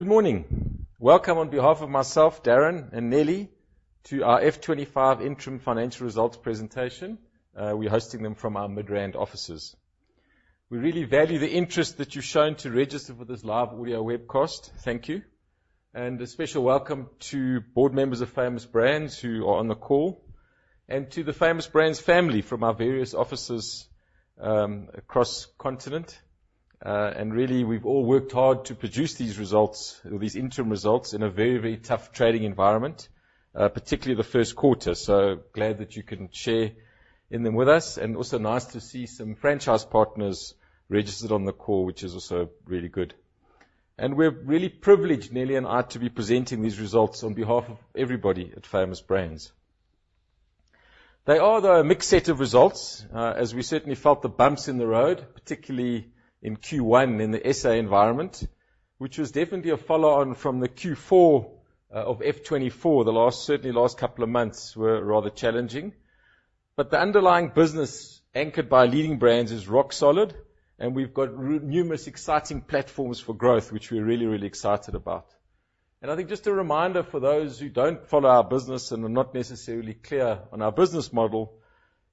...Good morning. Welcome on behalf of myself, Darren, and Nelly, to our F25 interim financial results presentation. We're hosting them from our Midrand offices. We really value the interest that you've shown to register for this live audio webcast. Thank you and a special welcome to board members of Famous Brands who are on the call, and to the Famous Brands family from our various offices across the continent. And really, we've all worked hard to produce these results, or these interim results, in a very, very tough trading environment, particularly the first quarter, so glad that you can share in them with us, and also nice to see some franchise partners registered on the call, which is also really good. And we're really privileged, Nelly and I, to be presenting these results on behalf of everybody at Famous Brands. They are, though, a mixed set of results, as we certainly felt the bumps in the road, particularly in Q1, in the SA environment, which was definitely a follow-on from the Q4, of F24. The last certainly last couple of months were rather challenging. But the underlying business, anchored by Leading Brands, is rock solid, and we've got numerous exciting platforms for growth, which we're really, really excited about. And I think just a reminder for those who don't follow our business and are not necessarily clear on our business model,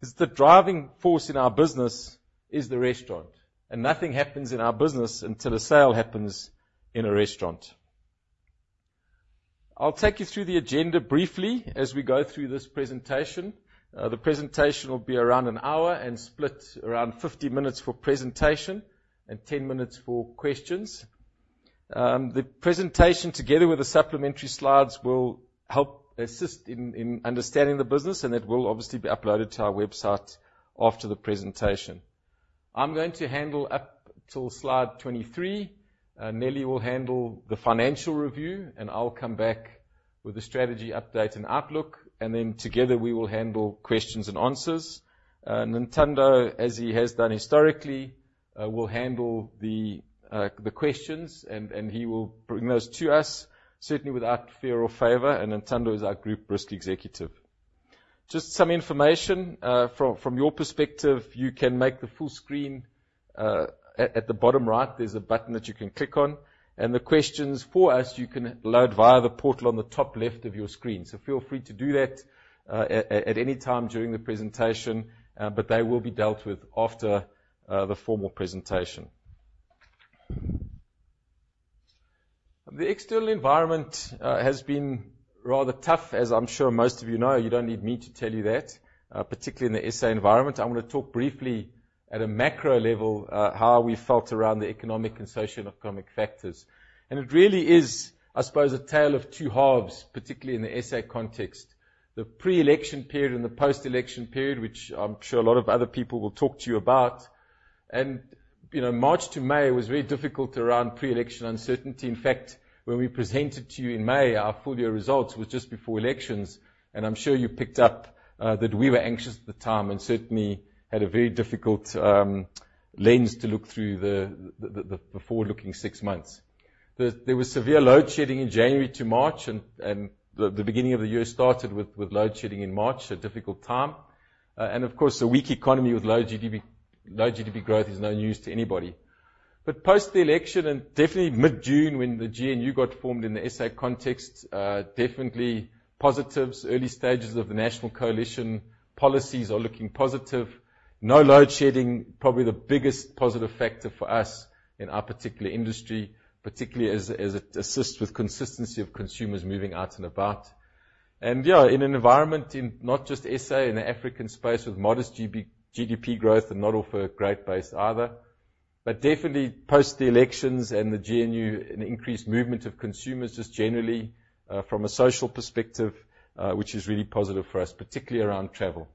is the driving force in our business is the restaurant, and nothing happens in our business until a sale happens in a restaurant. I'll take you through the agenda briefly as we go through this presentation. The presentation will be around an hour, and split around 50 minutes for presentation and 10 minutes for questions. The presentation, together with the supplementary slides, will help assist in understanding the business, and it will obviously be uploaded to our website after the presentation. I'm going to handle up till slide twenty-three. Nelly will handle the financial review, and I'll come back with a strategy update and outlook, and then together, we will handle questions and answers. Ntando, as he has done historically, will handle the questions, and he will bring those to us, certainly without fear or favor, and Ntando is our Group Risk Executive. Just some information from your perspective, you can make the full screen. At the bottom right, there's a button that you can click on, and the questions for us you can load via the portal on the top left of your screen. So feel free to do that at any time during the presentation, but they will be dealt with after the formal presentation. The external environment has been rather tough, as I'm sure most of you know. You don't need me to tell you that, particularly in the SA environment. I'm gonna talk briefly at a macro level how we felt around the economic and socioeconomic factors. And it really is, I suppose, a tale of two halves, particularly in the SA context. The pre-election period and the post-election period, which I'm sure a lot of other people will talk to you about. And you know, March to May was very difficult around pre-election uncertainty. In fact, when we presented to you in May, our full year results was just before elections, and I'm sure you picked up that we were anxious at the time and certainly had a very difficult lens to look through before looking six months. There was severe load shedding in January to March, and the beginning of the year started with load shedding in March, a difficult time. And of course, a weak economy with low GDP, low GDP growth is no news to anybody. But post the election, and definitely mid-June, when the GNU got formed in the SA context, definitely positives. Early stages of the national coalition policies are looking positive. No load shedding, probably the biggest positive factor for us in our particular industry, particularly as it assists with consistency of consumers moving out and about. Yeah, in an environment in not just SA, in the African space with modest GDP growth and not off a great base either, but definitely post the elections and the GNU, an increased movement of consumers just generally from a social perspective, which is really positive for us, particularly around travel.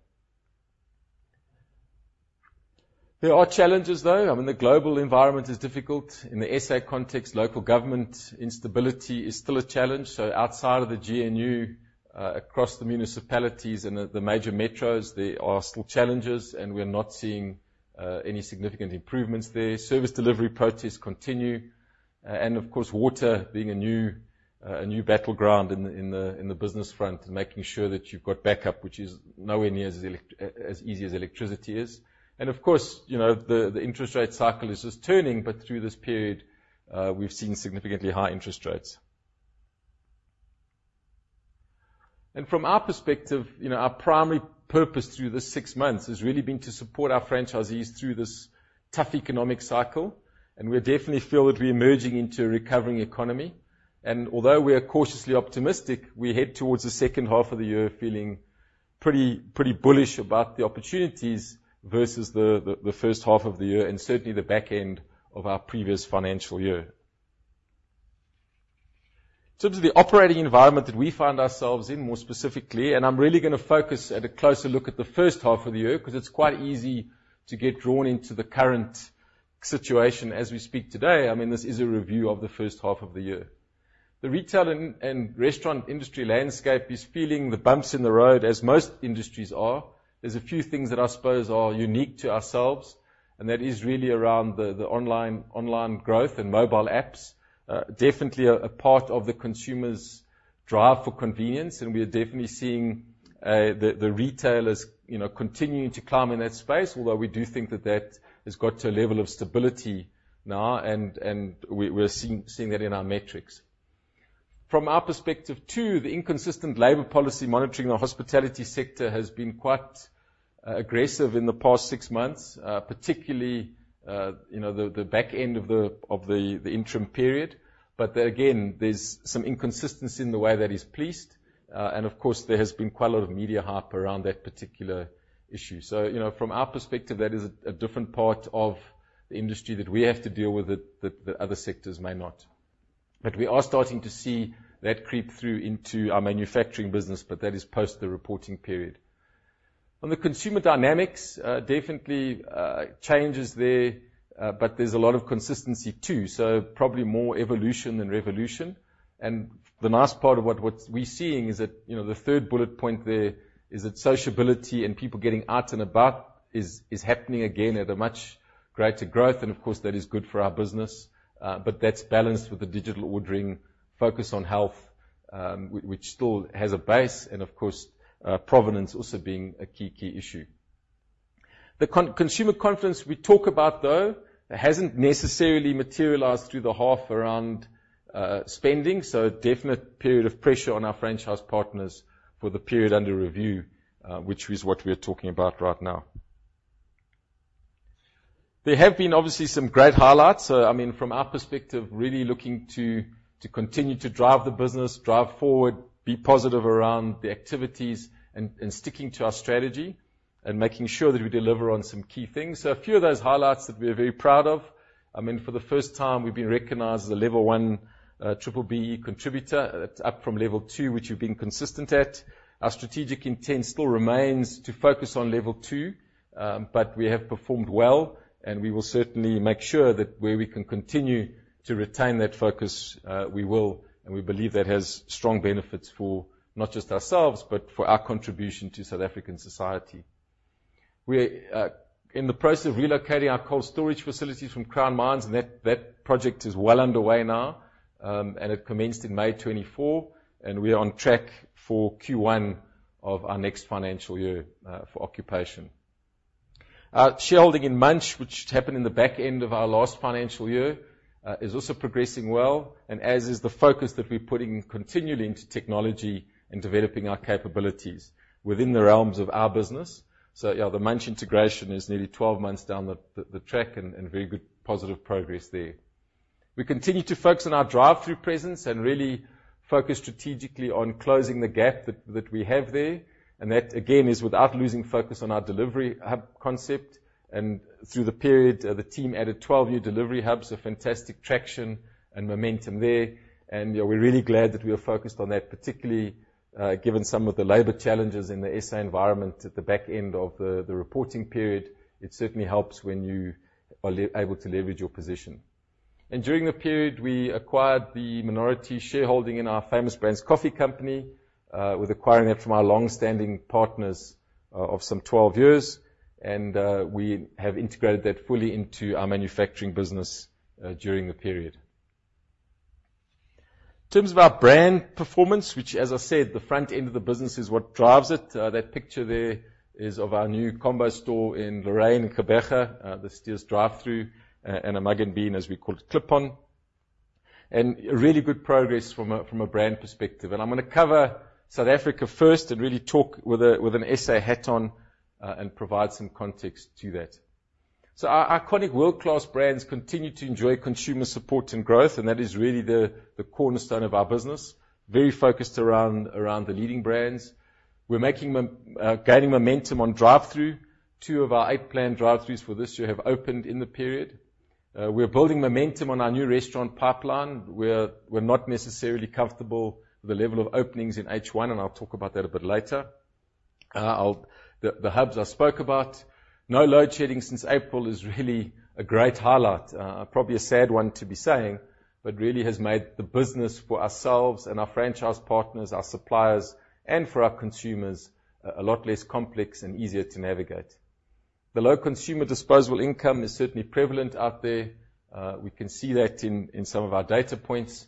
There are challenges, though. I mean, the global environment is difficult. In the SA context, local government instability is still a challenge, so outside of the GNU, across the municipalities and the major metros, there are still challenges, and we're not seeing any significant improvements there. Service delivery protests continue, and of course, water being a new battleground in the business front, making sure that you've got backup, which is nowhere near as easy as electricity is. And of course, you know, the interest rate cycle is just turning, but through this period, we've seen significantly high interest rates. And from our perspective, you know, our primary purpose through this six months has really been to support our franchisees through this tough economic cycle, and we definitely feel that we're emerging into a recovering economy. And although we are cautiously optimistic, we head towards the second half of the year feeling pretty bullish about the opportunities versus the first half of the year, and certainly the back end of our previous financial year. In terms of the operating environment that we find ourselves in, more specifically, and I'm really gonna focus at a closer look at the first half of the year, 'cause it's quite easy to get drawn into the current situation as we speak today. I mean, this is a review of the first half of the year. The retail and restaurant industry landscape is feeling the bumps in the road, as most industries are. There's a few things that I suppose are unique to ourselves, and that is really around the online growth and mobile apps. Definitely a part of the consumer's-... drive for convenience, and we are definitely seeing the retailers, you know, continuing to climb in that space, although we do think that has got to a level of stability now, and we're seeing that in our metrics. From our perspective, too, the inconsistent labor policy monitoring the hospitality sector has been quite aggressive in the past six months, particularly the back end of the interim period. But there again, there's some inconsistency in the way that is policed, and of course, there has been quite a lot of media hype around that particular issue. So, you know, from our perspective, that is a different part of the industry that we have to deal with, that the other sectors may not. But we are starting to see that creep through into our manufacturing business, but that is post the reporting period. On the consumer dynamics, definitely, changes there, but there's a lot of consistency, too, so probably more evolution than revolution. And the nice part of what we're seeing is that, you know, the third bullet point there is that sociability and people getting out and about is happening again at a much greater growth, and of course, that is good for our business. But that's balanced with the digital ordering, focus on health, which still has a base, and of course, provenance also being a key issue. The consumer confidence we talk about, though, hasn't necessarily materialized through the half year around spending, so a definite period of pressure on our franchise partners for the period under review, which is what we are talking about right now. There have been, obviously, some great highlights. I mean, from our perspective, really looking to continue to drive the business, drive forward, be positive around the activities, and sticking to our strategy and making sure that we deliver on some key things. A few of those highlights that we are very proud of: I mean, for the first time, we've been recognized as a level one B-BBEEcontributor. That's up from level two, which we've been consistent at. Our strategic intent still remains to focus on level two, but we have performed well, and we will certainly make sure that where we can continue to retain that focus, we will, and we believe that has strong benefits for not just ourselves, but for our contribution to South African society. We're in the process of relocating our cold storage facilities from Crown Mines, and that project is well underway now, and it commenced in May 2024, and we are on track for Q1 of our next financial year, for occupation. Our shareholding in Munch, which happened in the back end of our last financial year, is also progressing well, and as is the focus that we're putting continually into technology and developing our capabilities within the realms of our business. Yeah, the Munch integration is nearly 12 months down the track and very good positive progress there. We continue to focus on our drive-through presence and really focus strategically on closing the gap that we have there, and that, again, is without losing focus on our delivery hub concept. And through the period, the team added 12 new delivery hubs, a fantastic traction and momentum there. And, you know, we're really glad that we are focused on that, particularly, given some of the labor challenges in the SA environment at the back end of the reporting period. It certainly helps when you are able to leverage your position. And during the period, we acquired the minority shareholding in our Famous Brands Coffee Company, with acquiring it from our long-standing partners of some 12 years, and we have integrated that fully into our manufacturing business during the period. In terms of our brand performance, which, as I said, the front end of the business is what drives it. That picture there is of our new combo store in Lorraine, Gqeberha. This does drive-through, and a Mugg & Bean, as we call it, clip-on. And really good progress from a brand perspective. And I'm gonna cover South Africa first and really talk with an SA hat on, and provide some context to that. Our iconic world-class brands continue to enjoy consumer support and growth, and that is really the cornerstone of our business, very focused around the leading brands. We're gaining momentum on drive-through. Two of our eight planned drive-throughs for this year have opened in the period. We're building momentum on our new restaurant pipeline. We're not necessarily comfortable with the level of openings in H1, and I'll talk about that a bit later. The hubs I spoke about. No load shedding since April is really a great highlight. Probably a sad one to be saying, but really has made the business for ourselves and our franchise partners, our suppliers, and for our consumers, a lot less complex and easier to navigate. The low consumer disposable income is certainly prevalent out there. We can see that in some of our data points,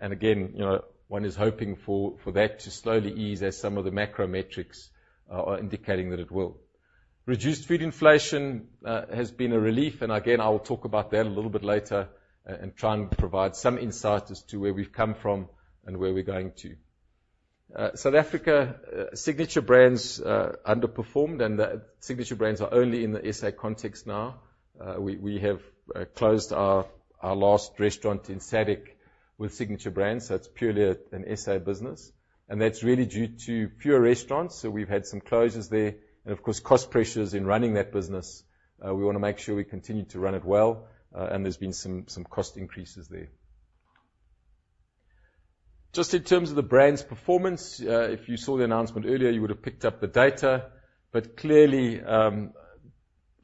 and again, you know, one is hoping for that to slowly ease as some of the macro metrics are indicating that it will. Reduced food inflation has been a relief, and again, I will talk about that a little bit later, and try and provide some insight as to where we've come from and where we're going to. South Africa, Signature Brands underperformed, and the Signature Brands are only in the SA context now. We have closed our last restaurant in SADC with Signature Brands, so it is purely an SA business, and that is really due to fewer restaurants, so we have had some closures there, and of course, cost pressures in running that business. We wanna make sure we continue to run it well, and there's been some cost increases there. Just in terms of the brand's performance, if you saw the announcement earlier, you would have picked up the data, but clearly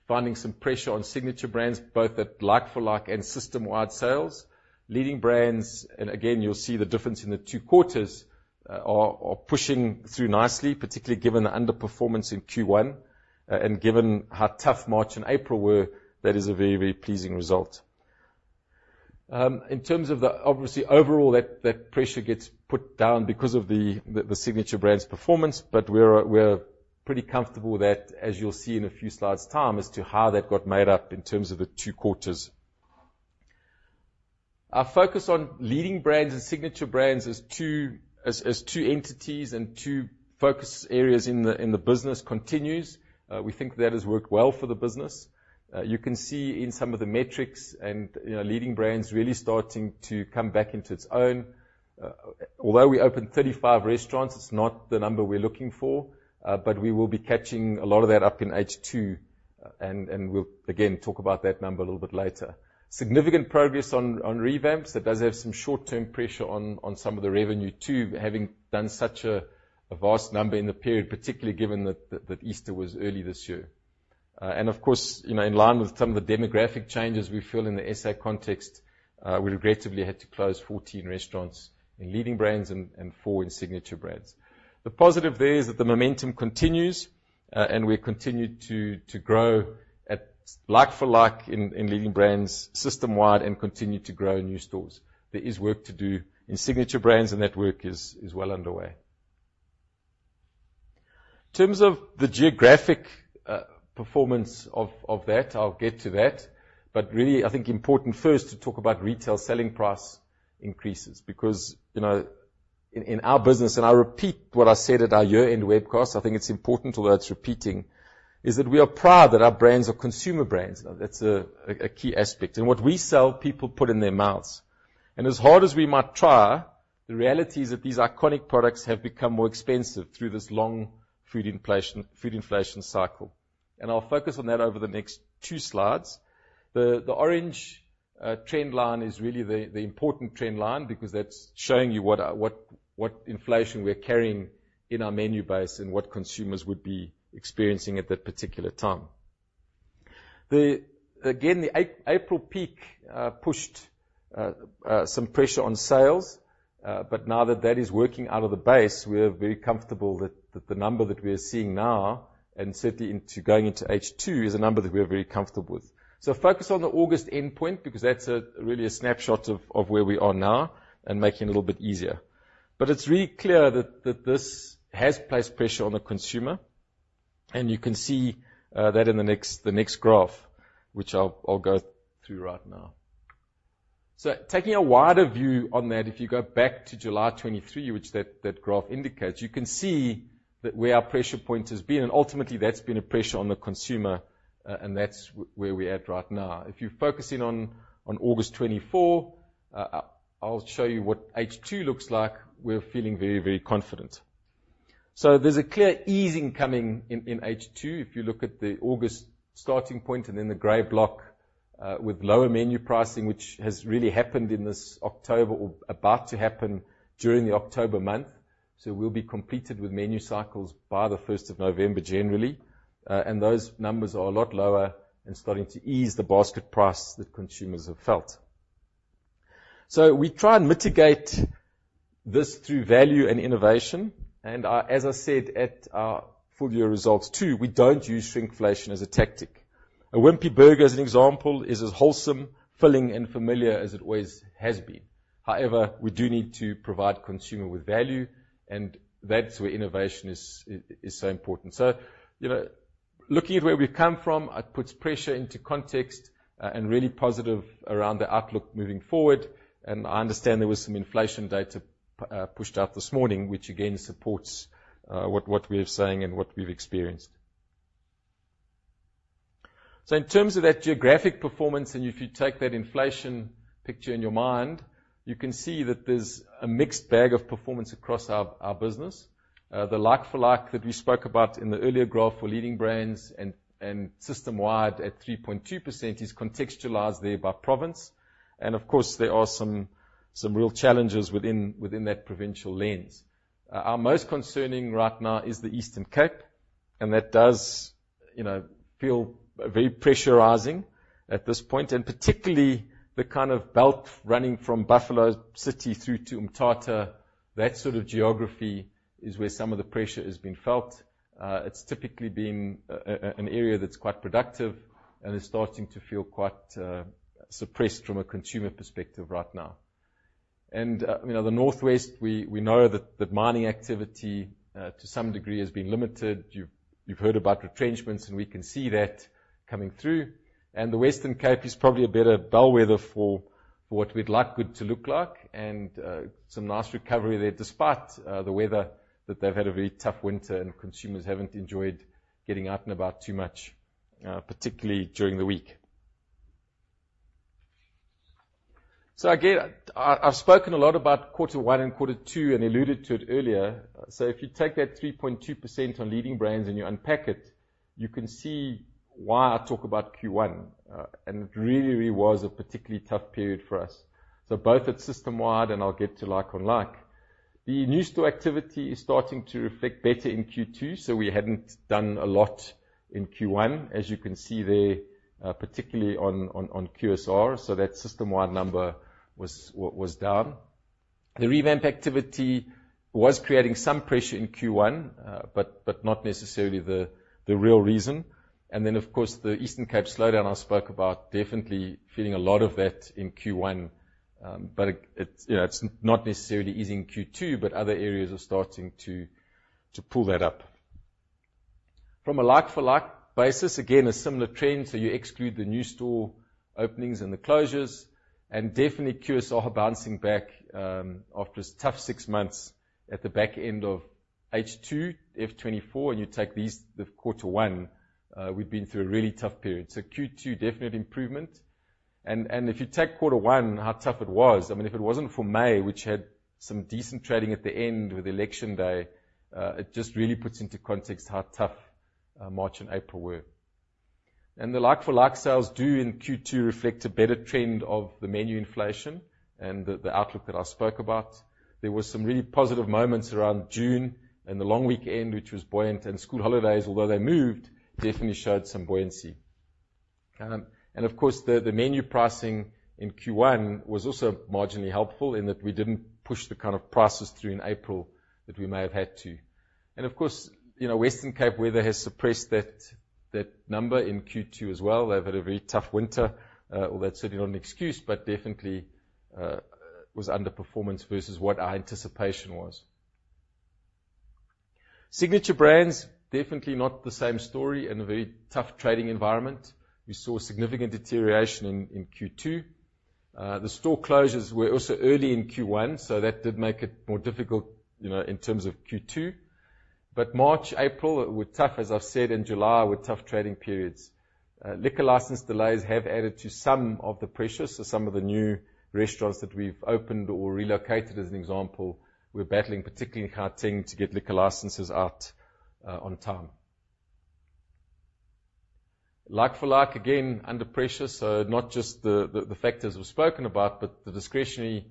finding some pressure on Signature Brands, both at like-for-like and system-wide sales. Leading Brands, and again, you'll see the difference in the two quarters, are pushing through nicely, particularly given the underperformance in Q1, and given how tough March and April were, that is a very, very pleasing result. In terms of the obviously overall, that pressure gets put down because of the Signature Brands performance, but we're pretty comfortable with that, as you'll see in a few slides' time, as to how that got made up in terms of the two quarters. Our focus on Leading Brands and Signature Brands as two entities and two focus areas in the business continues. We think that has worked well for the business. You can see in some of the metrics and, you know, Leading Brands really starting to come back into its own. Although we opened 35 restaurants, it's not the number we're looking for, but we will be catching a lot of that up in H2, and we'll again talk about that number a little bit later. Significant progress on revamps. That does have some short-term pressure on some of the revenue, too, having done such a vast number in the period, particularly given that Easter was early this year. And of course, you know, in line with some of the demographic changes we feel in the SA context, we regrettably had to close fourteen restaurants in Leading Brands and four in Signature Brands. The positive there is that the momentum continues, and we continue to grow at like for like in Leading Brands system-wide and continue to grow in new stores. There is work to do in Signature Brands, and that work is well underway. In terms of the geographic performance of that, I'll get to that, but really, I think, important first to talk about retail selling price increases. Because, you know, in our business, and I repeat what I said at our year-end webcast, I think it's important, although it's repeating, is that we are proud that our brands are consumer brands. Now, that's a key aspect. And what we sell, people put in their mouths. And as hard as we might try, the reality is that these iconic products have become more expensive through this long food inflation, food inflation cycle, and I'll focus on that over the next two slides. The orange trend line is really the important trend line, because that's showing you what inflation we're carrying in our menu base and what consumers would be experiencing at that particular time. Again, the April peak pushed some pressure on sales, but now that that is working out of the base, we are very comfortable that the number that we are seeing now, and certainly into going into H2, is a number that we are very comfortable with. Focus on the August endpoint, because that's really a snapshot of where we are now and making it a little bit easier. But it's really clear that this has placed pressure on the consumer, and you can see that in the next graph, which I'll go through right now. Taking a wider view on that, if you go back to July 2023, which that graph indicates, you can see that where our pressure point has been, and ultimately that's been a pressure on the consumer, and that's where we're at right now. If you focus in on August 2024, I'll show you what H2 looks like. We're feeling very, very confident. So there's a clear easing coming in, in H2 if you look at the August starting point, and then the gray block, with lower menu pricing, which has really happened in this October or about to happen during the October month. We'll be completed with menu cycles by the 1st of November, generally, and those numbers are a lot lower and starting to ease the basket price that consumers have felt. We try and mitigate this through value and innovation, and I... As I said at our full year results, too, we don't use shrinkflation as a tactic. A Wimpy Burger, as an example, is as wholesome, filling, and familiar as it always has been. However, we do need to provide consumer with value, and that's where innovation is so important. You know, looking at where we've come from, it puts pressure into context and really positive around the outlook moving forward. I understand there was some inflation data pushed out this morning, which again supports what we are saying and what we've experienced. In terms of that geographic performance, and if you take that inflation picture in your mind, you can see that there's a mixed bag of performance across our business. The like for like that we spoke about in the earlier graph for Leading Brands and system-wide at 3.2% is contextualized there by province, and of course, there are some real challenges within that provincial lens. Our most concerning right now is the Eastern Cape, and that does, you know, feel very pressurizing at this point, and particularly the kind of belt running from Buffalo City through to Mthatha, that sort of geography is where some of the pressure has been felt. It's typically been an area that's quite productive and is starting to feel quite suppressed from a consumer perspective right now. You know, the North West, we know that the mining activity to some degree has been limited. You've heard about retrenchments, and we can see that coming through. The Western Cape is probably a better bellwether for what we'd like good to look like, and some nice recovery there, despite the weather that they've had a very tough winter, and consumers haven't enjoyed getting out and about too much, particularly during the week. So again, I've spoken a lot about quarter one and quarter two and alluded to it earlier. So if you take that 3.2% on Leading Brands and you unpack it, you can see why I talk about Q1, and it really was a particularly tough period for us, so both at system-wide, and I'll get to like-for-like. The new store activity is starting to reflect better in Q2, so we hadn't done a lot in Q1, as you can see there, particularly on QSR, so that system-wide number was down. The revamp activity was creating some pressure in Q1, but not necessarily the real reason. And then, of course, the Eastern Cape slowdown I spoke about, definitely feeling a lot of that in Q1. But it, you know, it's not necessarily easy in Q2, but other areas are starting to pull that up. From a like-for-like basis, again, a similar trend, so you exclude the new store openings and the closures, and definitely QSR bouncing back after this tough six months at the back end of H2, F24, and you take these, the quarter one, we've been through a really tough period. So Q2, definite improvement. If you take quarter one, how tough it was, I mean, if it wasn't for May, which had some decent trading at the end with Election Day, it just really puts into context how tough March and April were. The like-for-like sales do in Q2 reflect a better trend of the menu inflation and the outlook that I spoke about. There were some really positive moments around June and the long weekend, which was buoyant, and school holidays, although they moved, definitely showed some buoyancy. Of course, the menu pricing in Q1 was also marginally helpful in that we didn't push the kind of prices through in April that we may have had to. Of course, you know, Western Cape weather has suppressed that number in Q2 as well. They've had a very tough winter, although that's certainly not an excuse, but definitely was underperformance versus what our anticipation was. Signature Brands, definitely not the same story and a very tough trading environment. We saw significant deterioration in Q2. The store closures were also early in Q1, so that did make it more difficult, you know, in terms of Q2. But March, April, were tough, as I've said, and July were tough trading periods. Liquor license delays have added to some of the pressures, so some of the new restaurants that we've opened or relocated, as an example, we're battling, particularly in Gauteng, to get liquor licenses out on time. Like-for-like, again, under pressure, so not just the factors we've spoken about, but the discretionary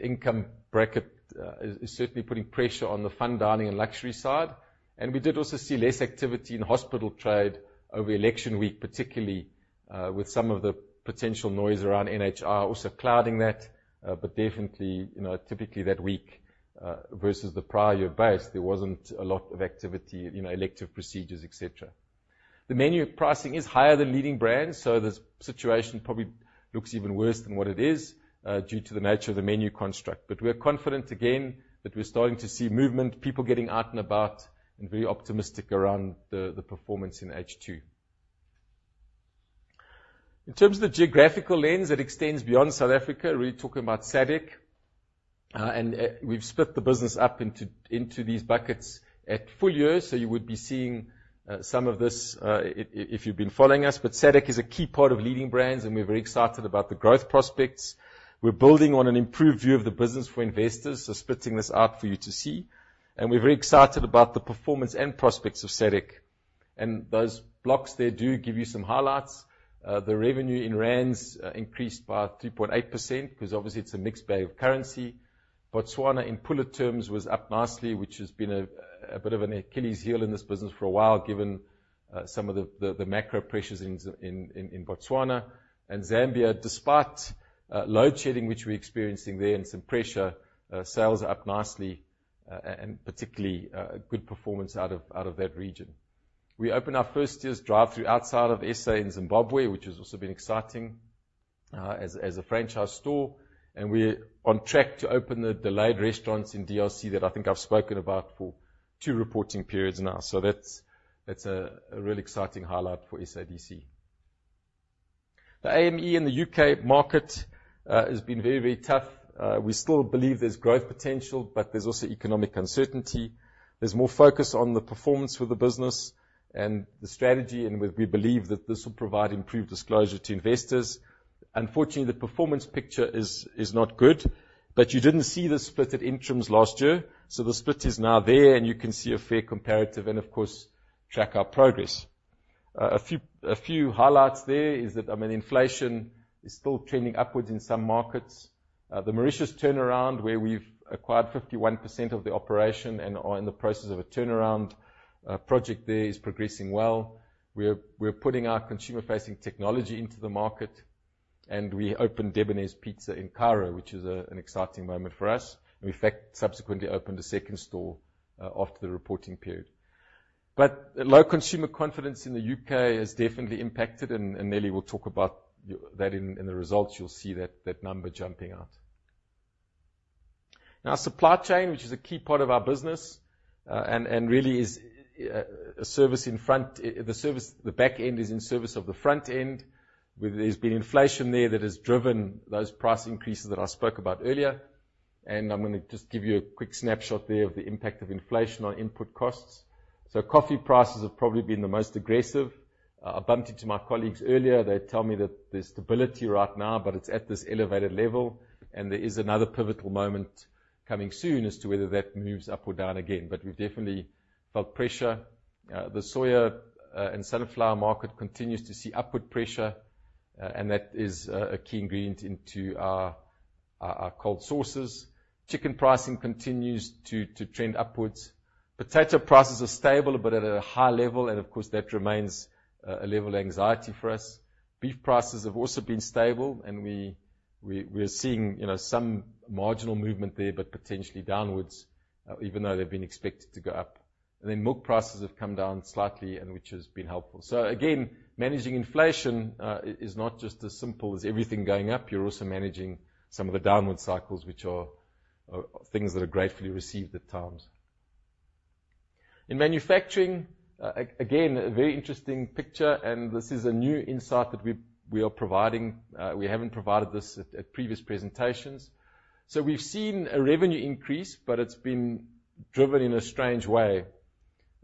income bracket is certainly putting pressure on the fine dining and luxury side. We did also see less activity in hospital trade over election week, particularly with some of the potential noise around NHI also clouding that. But definitely, you know, typically that week versus the prior year base, there wasn't a lot of activity, you know, elective procedures, et cetera. The menu pricing is higher than Leading Brands, so the situation probably looks even worse than what it is, due to the nature of the menu construct, but we're confident again that we're starting to see movement, people getting out and about, and very optimistic around the performance in H2. In terms of the geographical lens, it extends beyond South Africa. We're really talking about SADC, and we've split the business up into these buckets at full year, so you would be seeing some of this if you've been following us. But SADC is a key part of Leading Brands, and we're very excited about the growth prospects. We're building on an improved view of the business for investors, so splitting this out for you to see. And we're very excited about the performance and prospects of SADC. And those blocks there do give you some highlights. The revenue in rands increased by 3.8%, because obviously it's a mixed bag of currency. Botswana, in Pula terms, was up nicely, which has been a bit of an Achilles heel in this business for a while, given some of the macro pressures in Botswana. And Zambia, despite load shedding which we're experiencing there and some pressure, sales are up nicely, and particularly a good performance out of that region. We opened our first drive-thru outside of SA in Zimbabwe, which has also been exciting, as a franchise store, and we're on track to open the delayed restaurants in DRC that I think I've spoken about for two reporting periods now. So that's a really exciting highlight for SADC. The AME and the U.K. market has been very tough. We still believe there's growth potential, but there's also economic uncertainty. There's more focus on the performance for the business and the strategy, and we believe that this will provide improved disclosure to investors. Unfortunately, the performance picture is not good, but you didn't see the split at interims last year, so the split is now there, and you can see a fair comparative, and of course, track our progress. A few highlights there is that, I mean, inflation is still trending upwards in some markets. The Mauritius turnaround, where we've acquired 51% of the operation and are in the process of a turnaround project there, is progressing well. We're putting our consumer-facing technology into the market, and we opened Debonairs Pizza in Cairo, which is an exciting moment for us. We, in fact, subsequently opened a second store after the reporting period. But low consumer confidence in the U.K. has definitely impacted, and Nelly will talk about that in the results. You'll see that number jumping out. Now, Supply Chain, which is a key part of our business, and really is a service in front. The service, the back end is in service of the front end, where there's been inflation there that has driven those price increases that I spoke about earlier. And I'm gonna just give you a quick snapshot there of the impact of inflation on input costs. So coffee prices have probably been the most aggressive. I bumped into my colleagues earlier, they tell me that there's stability right now, but it's at this elevated level, and there is another pivotal moment coming soon as to whether that moves up or down again. But we've definitely felt pressure. The soya and sunflower market continues to see upward pressure, and that is a key ingredient into our cold sauces. Chicken pricing continues to trend upwards. Potato prices are stable, but at a high level, and of course, that remains a level of anxiety for us. Beef prices have also been stable, and we're seeing, you know, some marginal movement there, but potentially downwards, even though they've been expected to go up. And then milk prices have come down slightly, and which has been helpful. So again, managing inflation is not just as simple as everything going up. You're also managing some of the downward cycles, which are things that are gratefully received at times. In manufacturing, again, a very interesting picture, and this is a new insight that we are providing. We haven't provided this at previous presentations. So we've seen a revenue increase, but it's been driven in a strange way.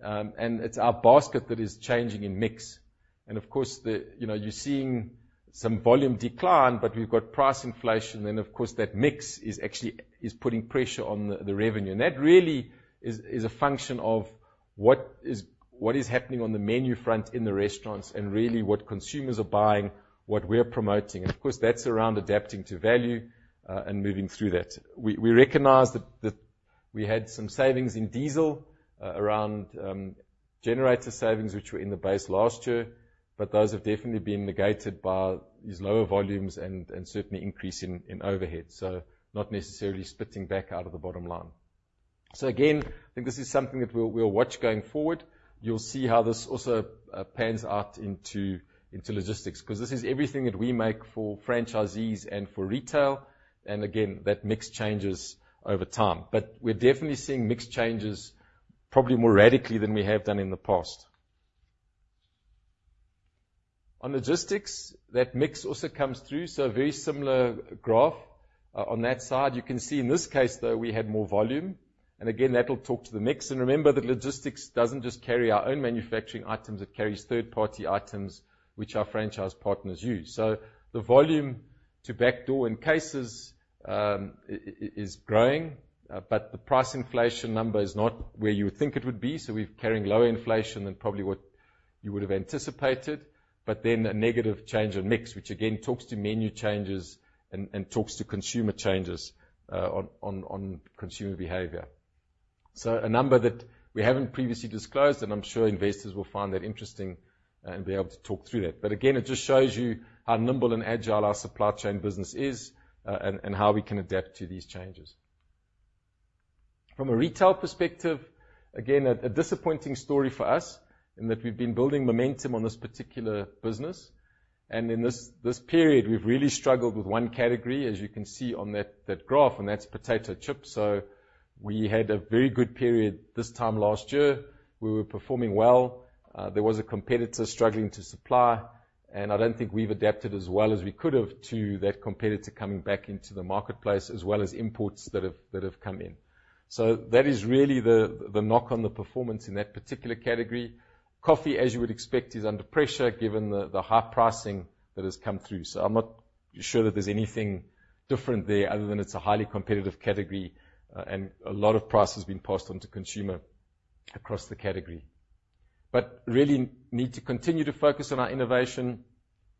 And it's our basket that is changing in mix, and of course. You know, you're seeing some volume decline, but we've got price inflation, and of course, that mix is actually putting pressure on the revenue. And that really is a function of what is happening on the menu front in the restaurants and really what consumers are buying, what we're promoting. And of course, that's around adapting to value, and moving through that. We recognize that we had some savings in diesel around generator savings, which were in the base last year, but those have definitely been negated by these lower volumes and certainly increase in overhead, so not necessarily spitting back out of the bottom line. So again, I think this is something that we'll watch going forward. You'll see how this also pans out into logistics. Because this is everything that we make for franchisees and for retail, and again, that mix changes over time. But we're definitely seeing mix changes probably more radically than we have done in the past. On logistics, that mix also comes through, so a very similar graph. On that side, you can see in this case, though, we had more volume, and again, that'll talk to the mix. And remember, that logistics doesn't just carry our own manufacturing items. It carries third-party items, which our franchise partners use. So the volume to backdoor in cases is growing, but the price inflation number is not where you would think it would be, so we're carrying lower inflation than probably what you would have anticipated. But then a negative change in mix, which again, talks to menu changes and talks to consumer changes on consumer behavior. So a number that we haven't previously disclosed, and I'm sure investors will find that interesting and be able to talk through that. But again, it just shows you how nimble and agile our Supply Chain business is and how we can adapt to these changes. From a retail perspective, again, a disappointing story for us, in that we've been building momentum on this particular business. And in this period, we've really struggled with one category, as you can see on that graph, and that's potato chips. So we had a very good period this time last year. We were performing well. There was a competitor struggling to supply, and I don't think we've adapted as well as we could have to that competitor coming back into the marketplace, as well as imports that have come in. So that is really the knock on the performance in that particular category. Coffee, as you would expect, is under pressure, given the high pricing that has come through. So I'm not sure that there's anything different there, other than it's a highly competitive category, and a lot of price has been passed on to consumer across the category. But really need to continue to focus on our innovation.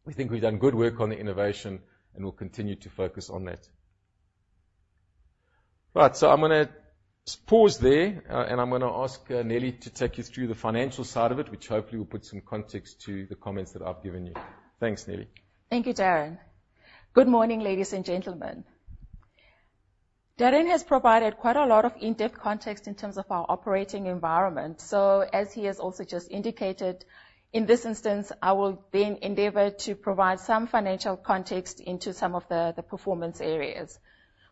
We think we've done good work on the innovation, and we'll continue to focus on that. Right, so I'm gonna pause there, and I'm gonna ask, Nelly to take you through the financial side of it, which hopefully will put some context to the comments that I've given you. Thanks, Nelly. Thank you, Darren. Good morning, ladies and gentlemen. Darren has provided quite a lot of in-depth context in terms of our operating environment. So as he has also just indicated, in this instance, I will then endeavor to provide some financial context into some of the performance areas.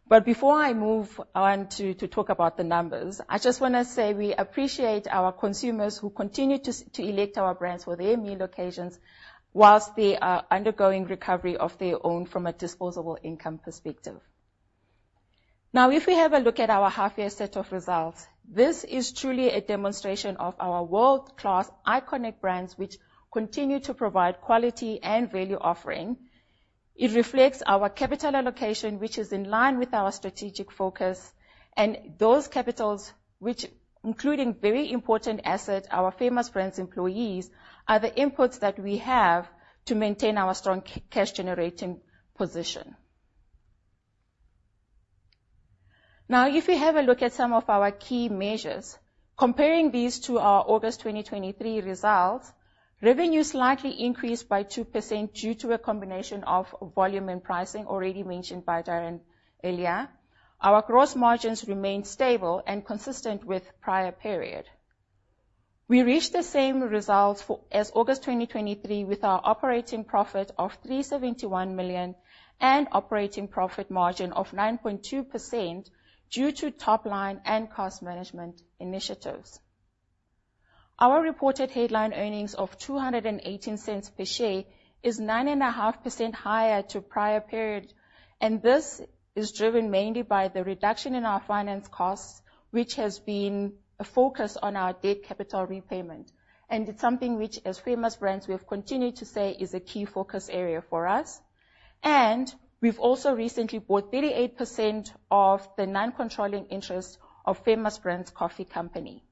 But before I move on to talk about the numbers, I just want to say we appreciate our consumers who continue to select our brands for their meal occasions, while they are undergoing recovery of their own from a disposable income perspective. Now, if we have a look at our half-year set of results, this is truly a demonstration of our world-class iconic brands, which continue to provide quality and value offering. It reflects our capital allocation, which is in line with our strategic focus, and those capitals, which including very important asset, our Famous Brands employees, are the inputs that we have to maintain our strong cash generating position. Now, if you have a look at some of our key measures, comparing these to our August 2023 results, revenue slightly increased by 2% due to a combination of volume and pricing already mentioned by Darren earlier. Our gross margins remained stable and consistent with prior period. We reached the same results as August 2023, with our operating profit of 371 million and operating profit margin of 9.2% due to top line and cost management initiatives. Our reported headline earnings per share of ZAR 2.18 is 9.5% higher to prior period, and this is driven mainly by the reduction in our finance costs, which has been a focus on our debt capital repayment. It's something which, as Famous Brands, we have continued to say is a key focus area for us, and we've also recently bought 38% of the non-controlling interest of Famous Brands Coffee Company.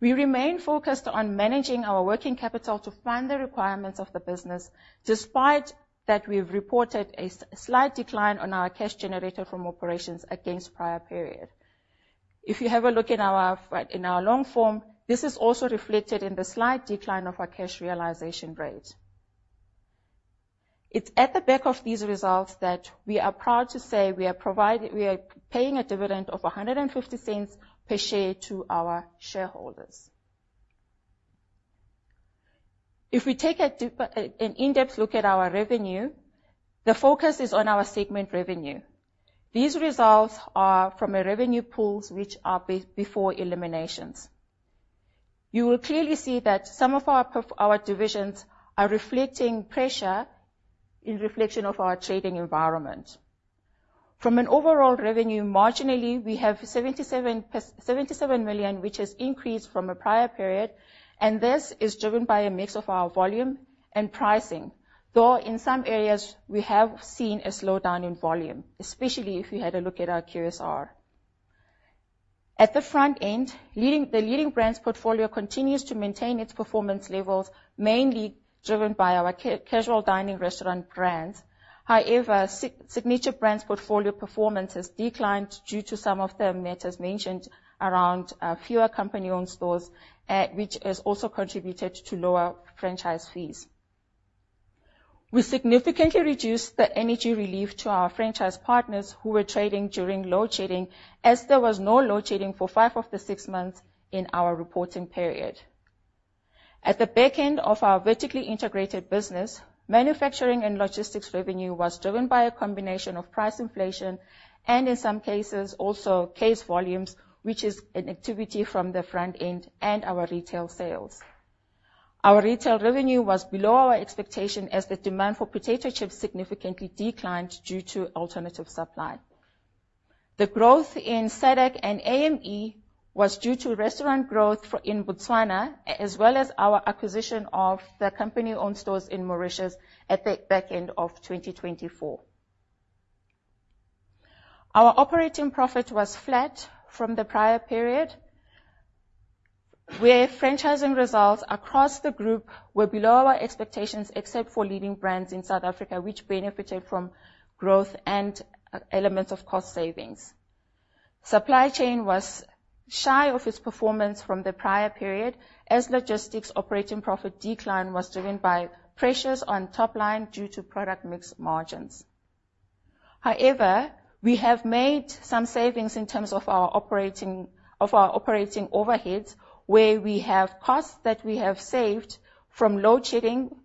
We remain focused on managing our working capital to fund the requirements of the business, despite that we've reported a slight decline on our cash generated from operations against prior period. If you have a look in our, in our long form, this is also reflected in the slight decline of our cash realization rate. It's at the back of these results that we are proud to say we are paying a dividend of 1.50 per share to our shareholders. If we take a deep, an in-depth look at our revenue, the focus is on our segment revenue. These results are from revenue pools, which are before eliminations. You will clearly see that some of our divisions are reflecting pressure in reflection of our trading environment. From an overall revenue, marginally, we have 77 million, which has increased from a prior period, and this is driven by a mix of our volume and pricing, though, in some areas, we have seen a slowdown in volume, especially if you had a look at our QSR. At the front end, Leading, the Leading Brands portfolio continues to maintain its performance levels, mainly driven by our casual dining restaurant brands. However, Signature Brands portfolio performance has declined due to some of the matters mentioned around fewer company-owned stores, which has also contributed to lower franchise fees. We significantly reduced the energy relief to our franchise partners who were trading during load shedding, as there was no load shedding for five of the six months in our reporting period. At the back end of our vertically integrated business, manufacturing and logistics revenue was driven by a combination of price inflation, and in some cases, also case volumes, which is an activity from the front end and our retail sales. Our retail revenue was below our expectation, as the demand for potato chips significantly declined due to alternative supply. The growth in SADC and AME was due to restaurant growth for, in Botswana, as well as our acquisition of the company-owned stores in Mauritius at the back end of 2024. Our operating profit was flat from the prior period, where franchising results across the group were below our expectations, except for Leading Brands in South Africa, which benefited from growth and elements of cost savings. Supply Chain was shy of its performance from the prior period, as logistics operating profit decline was driven by pressures on top line due to product mix margins. However, we have made some savings in terms of our operating overheads, where we have costs that we have saved from load shedding,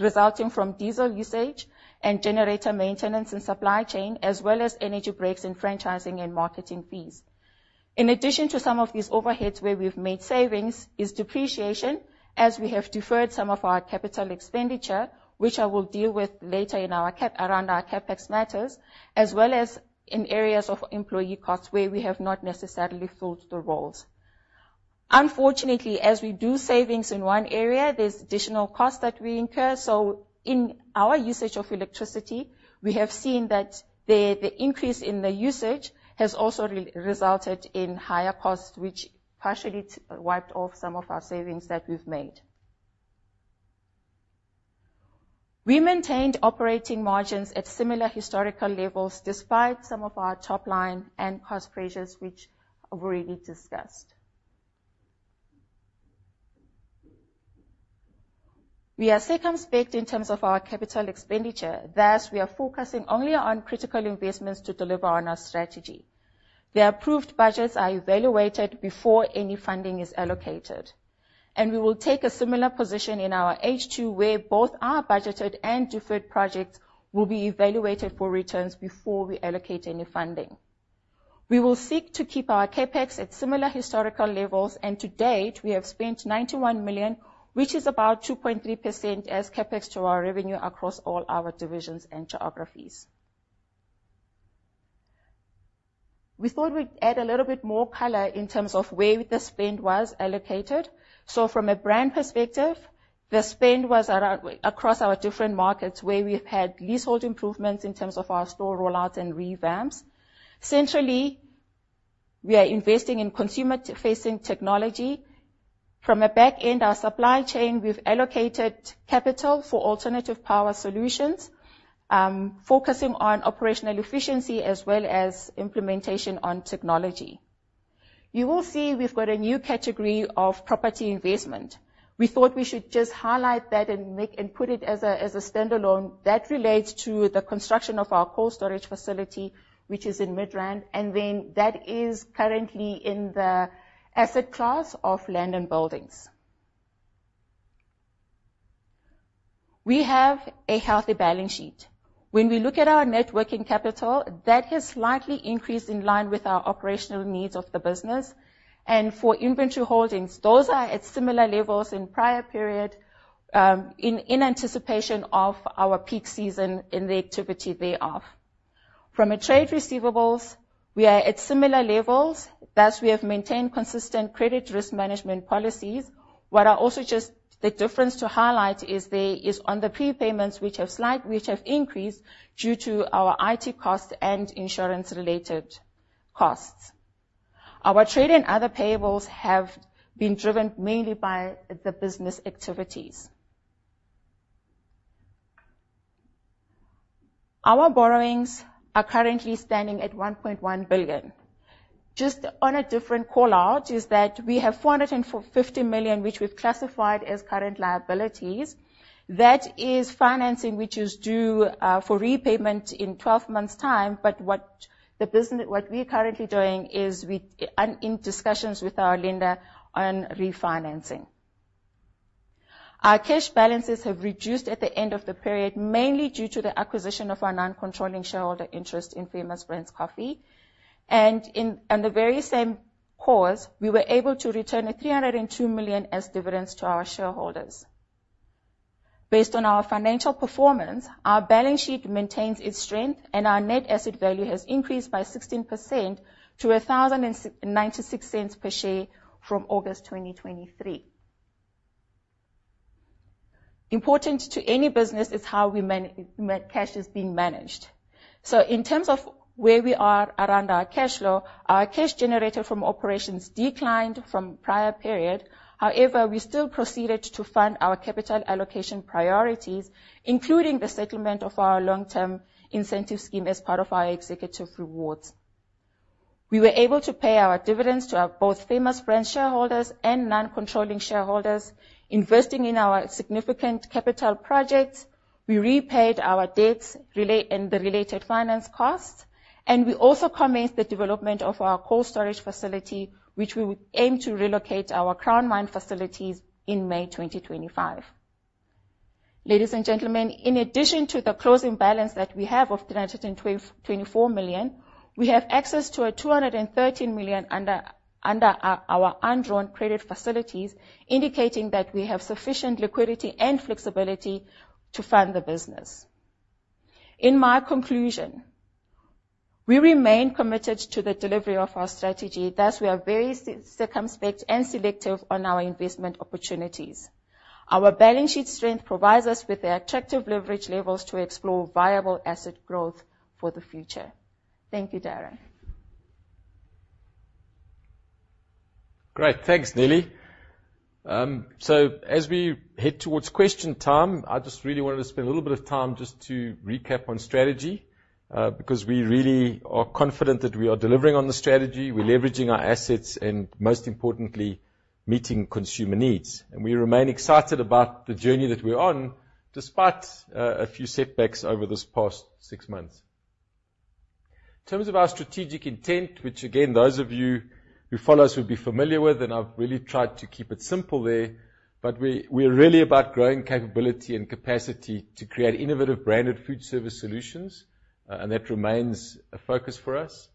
resulting from diesel usage and generator maintenance and Supply Chain, as well as energy breaks in franchising and marketing fees. In addition to some of these overheads where we've made savings, is depreciation, as we have deferred some of our capital expenditure, which I will deal with later in our CapEx matters, as well as in areas of employee costs, where we have not necessarily filled the roles. Unfortunately, as we do savings in one area, there's additional costs that we incur, so in our usage of electricity, we have seen that the increase in the usage has also resulted in higher costs, which partially wiped off some of our savings that we've made. We maintained operating margins at similar historical levels, despite some of our top line and cost pressures, which I've already discussed. We are circumspect in terms of our capital expenditure, thus, we are focusing only on critical investments to deliver on our strategy. The approved budgets are evaluated before any funding is allocated, and we will take a similar position in our H2, where both our budgeted and deferred projects will be evaluated for returns before we allocate any funding. We will seek to keep our CapEx at similar historical levels, and to date, we have spent 91 million, which is about 2.3% as CapEx to our revenue across all our divisions and geographies. We thought we'd add a little bit more color in terms of where the spend was allocated. So from a brand perspective, the spend was across our different markets, where we've had leasehold improvements in terms of our store rollouts and revamps. Centrally, we are investing in consumer-facing technology. From a back end, our Supply Chain, we've allocated capital for alternative power solutions, focusing on operational efficiency as well as implementation on technology. You will see we've got a new category of property investment. We thought we should just highlight that and make and put it as a standalone. That relates to the construction of our cold storage facility, which is in Midrand, and then that is currently in the asset class of land and buildings. We have a healthy balance sheet. When we look at our net working capital, that has slightly increased in line with our operational needs of the business, and for inventory holdings, those are at similar levels in prior period, in anticipation of our peak season and the activity thereof. From a trade receivables, we are at similar levels. Thus, we have maintained consistent credit risk management policies. What I also just, the difference to highlight is there, is on the prepayments, which have slightly increased due to our IT costs and insurance-related costs. Our trade and other payables have been driven mainly by the business activities. Our borrowings are currently standing at 1.1 billion. Just on a different call-out, is that we have 450 million, which we've classified as current liabilities. That is financing, which is due for repayment in twelve months' time, but what we are currently doing is we in discussions with our lender on refinancing. Our cash balances have reduced at the end of the period, mainly due to the acquisition of our non-controlling shareholder interest in Famous Brands Coffee Company, and on the very same score, we were able to return 302 million as dividends to our shareholders. Based on our financial performance, our balance sheet maintains its strength, and our net asset value has increased by 16% to 10.96 per share from August 2023. Important to any business is how we manage cash is being managed. So in terms of where we are around our cash flow, our cash generated from operations declined from prior period. However, we still proceeded to fund our capital allocation priorities, including the settlement of our long-term incentive scheme as part of our executive rewards. We were able to pay our dividends to our both Famous Brands shareholders and non-controlling shareholders, investing in our significant capital projects. We repaid our debts and the related finance costs, and we also commenced the development of our cold storage facility, which we would aim to relocate our Crown Mines facilities in May 2025. Ladies and gentlemen, in addition to the closing balance that we have of 324 million, we have access to 213 million under our undrawn credit facilities, indicating that we have sufficient liquidity and flexibility to fund the business. In my conclusion, we remain committed to the delivery of our strategy, thus, we are very circumspect and selective on our investment opportunities. Our balance sheet strength provides us with the attractive leverage levels to explore viable asset growth for the future. Thank you, Darren. Great. Thanks, Nelly. So as we head towards question time, I just really wanted to spend a little bit of time just to recap on strategy, because we really are confident that we are delivering on the strategy. We're leveraging our assets and, most importantly, meeting consumer needs, and we remain excited about the journey that we're on, despite a few setbacks over this past six months. In terms of our strategic intent, which, again, those of you who follow us will be familiar with, and I've really tried to keep it simple there, but we, we're really about growing capability and capacity to create innovative branded food service solutions, and that remains a focus for us.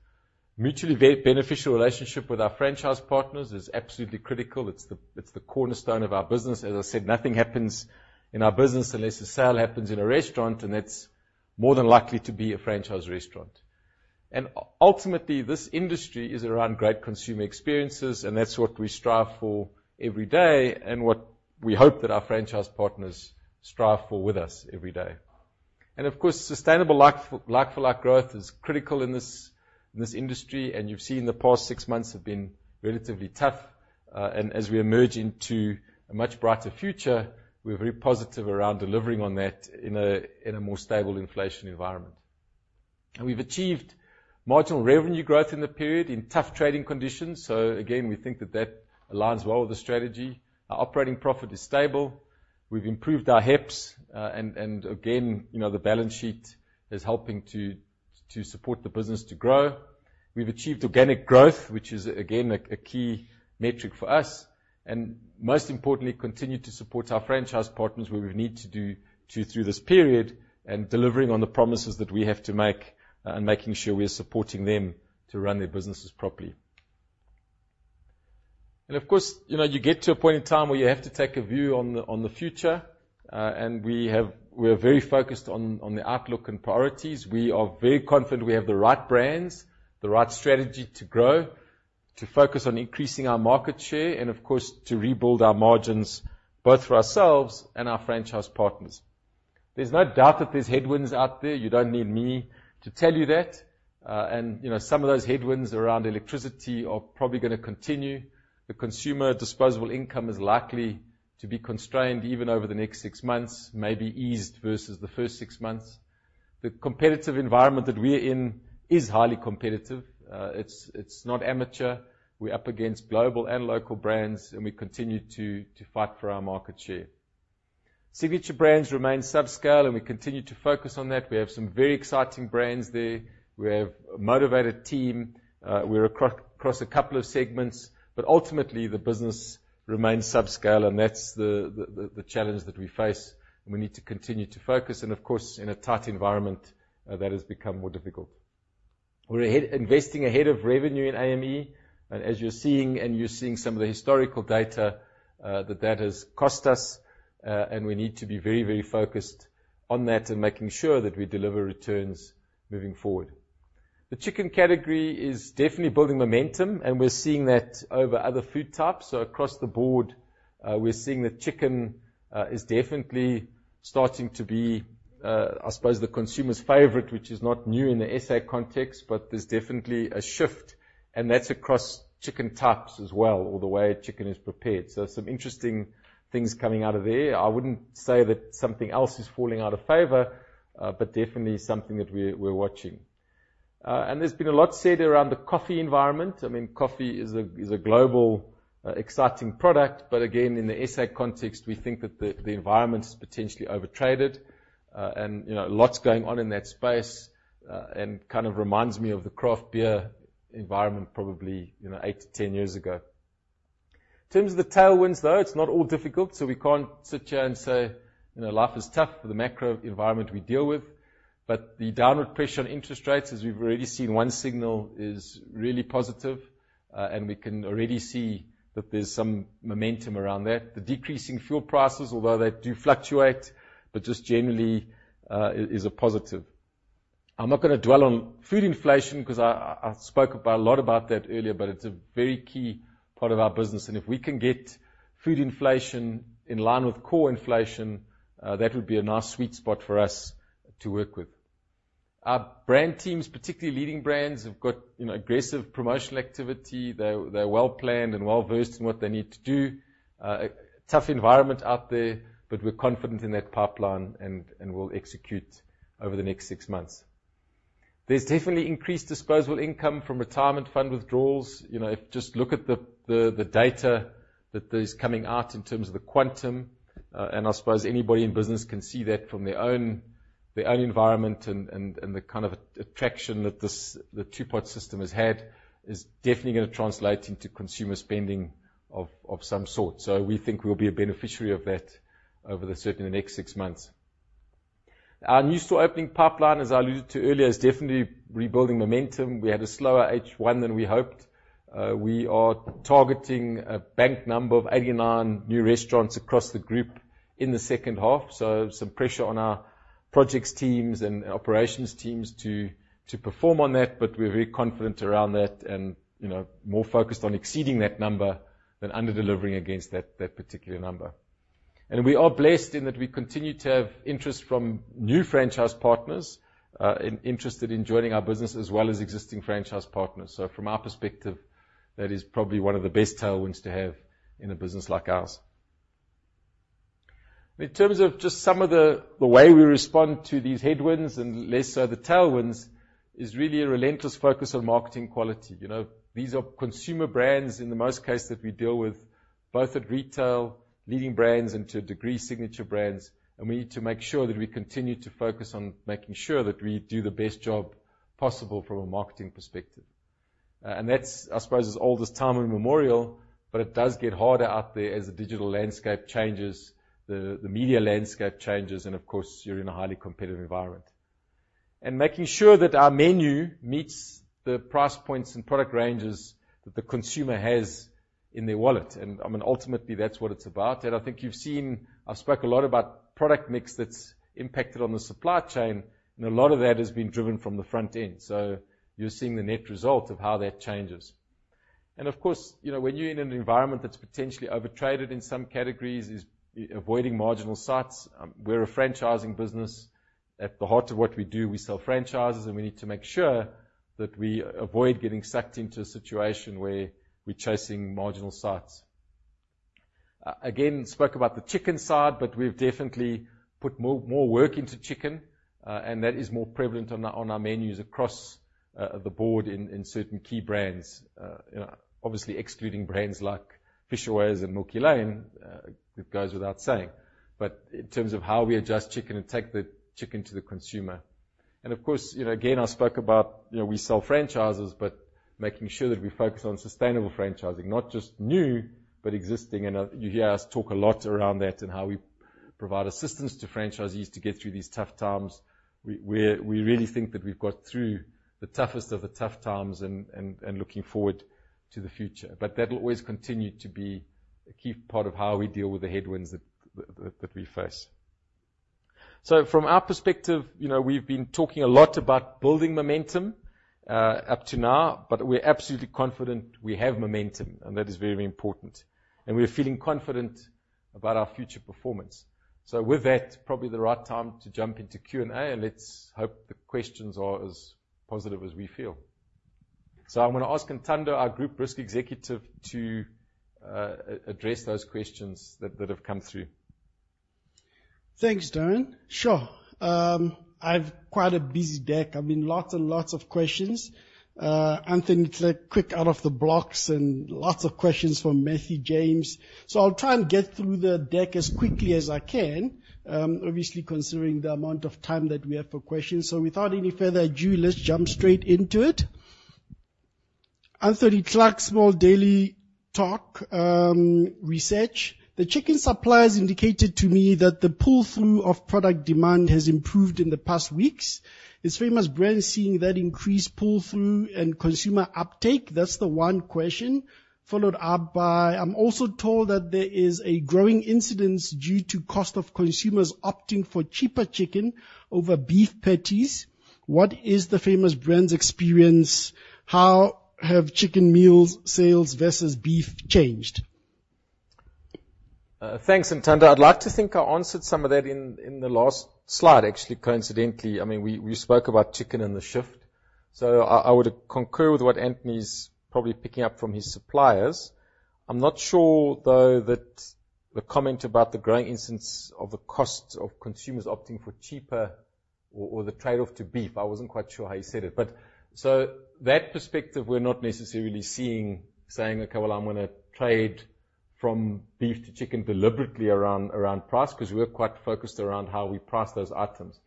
Mutually beneficial relationship with our franchise partners is absolutely critical. It's the, it's the cornerstone of our business. As I said, nothing happens in our business unless a sale happens in a restaurant, and that's more than likely to be a franchise restaurant. Ultimately, this industry is around great consumer experiences, and that's what we strive for every day, and what we hope that our franchise partners strive for with us every day. Of course, sustainable like-for-like growth is critical in this industry, and you've seen the past six months have been relatively tough, and as we emerge into a much brighter future, we're very positive around delivering on that in a more stable inflation environment. We've achieved marginal revenue growth in the period in tough trading conditions, so again, we think that that aligns well with the strategy. Our operating profit is stable. We've improved our HEPS, and again, you know, the balance sheet is helping to support the business to grow. We've achieved organic growth, which is, again, a key metric for us, and most importantly, continue to support our franchise partners where we need to do to through this period, and delivering on the promises that we have to make, and making sure we are supporting them to run their businesses properly. Of course, you know, you get to a point in time where you have to take a view on the future, and we have. We are very focused on the outlook and priorities. We are very confident we have the right brands, the right strategy to grow, to focus on increasing our market share, and of course, to rebuild our margins, both for ourselves and our franchise partners. There's no doubt that there's headwinds out there. You don't need me to tell you that, and, you know, some of those headwinds around electricity are probably gonna continue. The consumer disposable income is likely to be constrained even over the next six months, maybe eased versus the first six months. The competitive environment that we are in is highly competitive. It's not amateur. We're up against global and local brands, and we continue to fight for our market share. Signature Brands remain subscale, and we continue to focus on that. We have some very exciting brands there. We have a motivated team. We're across a couple of segments, but ultimately, the business remains subscale, and that's the challenge that we face, and we need to continue to focus, and of course, in a tight environment, that has become more difficult. We're investing ahead of revenue in AME, and as you're seeing some of the historical data, that has cost us, and we need to be very, very focused on that and making sure that we deliver returns moving forward.... The chicken category is definitely building momentum, and we're seeing that over other food types. Across the board, we're seeing that chicken is definitely starting to be, I suppose, the consumer's favorite, which is not new in the SA context, but there's definitely a shift, and that's across chicken types as well, or the way chicken is prepared. So some interesting things coming out of there. I wouldn't say that something else is falling out of favor, but definitely something that we're watching. And there's been a lot said around the coffee environment. I mean, coffee is a global exciting product, but again, in the SA context, we think that the environment is potentially overtraded. And, you know, lots going on in that space, and kind of reminds me of the craft beer environment, probably, you know, eight to ten years ago. In terms of the tailwinds, though, it's not all difficult, so we can't sit here and say, you know, life is tough for the macro environment we deal with, but the downward pressure on interest rates, as we've already seen, one signal is really positive, and we can already see that there's some momentum around that. The decreasing fuel prices, although they do fluctuate, but just generally, is a positive. I'm not gonna dwell on food inflation, 'cause I spoke a lot about that earlier, but it's a very key part of our business, and if we can get food inflation in line with core inflation, that would be a nice sweet spot for us to work with. Our brand teams, particularly Leading Brands, have got, you know, aggressive promotional activity. They're well-planned and well-versed in what they need to do. A tough environment out there, but we're confident in that pipeline, and we'll execute over the next six months. There's definitely increased disposable income from retirement fund withdrawals. You know, if just look at the data that is coming out in terms of the quantum, and I suppose anybody in business can see that from their own environment and the kind of attraction that this... the Two-Pot System has had, is definitely gonna translate into consumer spending of some sort. So we think we'll be a beneficiary of that over the certainly next six months. Our new store opening pipeline, as I alluded to earlier, is definitely rebuilding momentum. We had a slower H1 than we hoped. We are targeting a bank number of eighty-nine new restaurants across the group in the second half, so some pressure on our projects teams and operations teams to perform on that, but we're very confident around that and, you know, more focused on exceeding that number than under-delivering against that particular number. We are blessed in that we continue to have interest from new franchise partners interested in joining our business, as well as existing franchise partners. From our perspective, that is probably one of the best tailwinds to have in a business like ours. In terms of just some of the way we respond to these headwinds, and less so the tailwinds, is really a relentless focus on marketing quality. You know, these are consumer brands in the most cases that we deal with, both at retail, Leading Brands, and to a degree, Signature Brands, and we need to make sure that we continue to focus on making sure that we do the best job possible from a marketing perspective. And that's, I suppose, as old as time immemorial, but it does get harder out there as the digital landscape changes, the media landscape changes, and of course, you're in a highly competitive environment. And making sure that our menu meets the price points and product ranges that the consumer has in their wallet, and, I mean, ultimately, that's what it's about. And I think you've seen... I've spoke a lot about product mix that's impacted on the Supply Chain, and a lot of that has been driven from the front end. So you're seeing the net result of how that changes. And of course, you know, when you're in an environment that's potentially overtraded in some categories, is avoiding marginal sites. We're a franchising business. At the heart of what we do, we sell franchises, and we need to make sure that we avoid getting sucked into a situation where we're chasing marginal sites. Again, spoke about the chicken side, but we've definitely put more work into chicken, and that is more prevalent on our menus across the board in certain key brands. You know, obviously excluding brands like Fishaways and Milky Lane, it goes without saying. But in terms of how we adjust chicken and take the chicken to the consumer. And of course, you know, again, I spoke about, you know, we sell franchises, but making sure that we focus on sustainable franchising, not just new, but existing. And you hear us talk a lot around that and how we provide assistance to franchisees to get through these tough times. We really think that we've got through the toughest of the tough times and looking forward to the future. But that will always continue to be a key part of how we deal with the headwinds that we face. So from our perspective, you know, we've been talking a lot about building momentum up to now, but we're absolutely confident we have momentum, and that is very important, and we're feeling confident about our future performance. So with that, probably the right time to jump into Q&A, and let's hope the questions are as positive as we feel. So I'm gonna ask Ntando, our Group Risk Executive, to address those questions that have come through. Thanks, Darren. Sure. I've quite a busy deck. I mean, lots and lots of questions. Anthony, quick out of the blocks, and lots of questions from Matthew James. So I'll try and get through the deck as quickly as I can, obviously, considering the amount of time that we have for questions. So without any further ado, let's jump straight into it. Anthony Clark, Small Talk Daily research. The chicken suppliers indicated to me that the pull-through of product demand has improved in the past weeks. Is Famous Brands seeing that increased pull-through and consumer uptake? That's the one question, followed up by, I'm also told that there is a growing incidence due to cost of consumers opting for cheaper chicken over beef patties. What is the Famous Brands experience? How have chicken meals sales versus beef changed? Thanks, Ntando. I'd like to think I answered some of that in the last slide, actually, coincidentally. I mean, we spoke about chicken and the shift, so I would concur with what Anthony's probably picking up from his suppliers. I'm not sure, though, that the comment about the growing instance of the cost of consumers opting for cheaper or the trade-off to beef. I wasn't quite sure how you said it. But so that perspective, we're not necessarily seeing, saying, "Okay, well, I'm gonna trade from beef to chicken deliberately around price," because we're quite focused around how we price those items.